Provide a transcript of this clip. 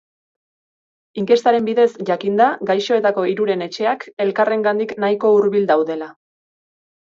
Inkestaren bidez jakin da gaixoetako hiruren etxeak elkarrengandik nahiko hurbil daudela.